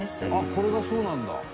「これがそうなんだ」